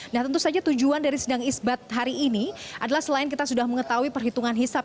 nah tentu saja tujuan dari sidang isbat hari ini adalah selain kita sudah mengetahui perhitungan hisap